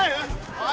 ・おい